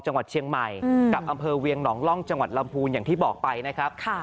จังหวัดเชียงใหม่กับอำเภอเวียงหนองล่องจังหวัดลำพูนอย่างที่บอกไปนะครับ